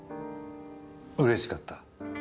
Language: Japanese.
うれしかった？